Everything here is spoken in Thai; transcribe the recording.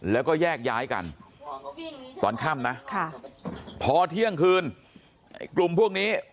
แล้วก็แยกย้ายกันตอนค่ำนะพอเที่ยงคืนไอ้กลุ่มพวกนี้